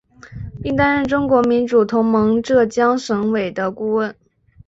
并担任中国民主同盟浙江省委的顾问。